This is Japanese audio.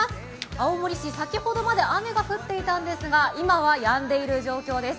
青森市、先ほどまで雨が降っていたんですが、今はやんでいる状況です。